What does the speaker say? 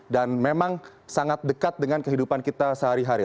dan memang sangat dekat dengan kehidupan kita sehari hari